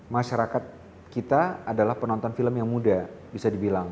masyarakat kita adalah penonton film yang muda bisa dibilang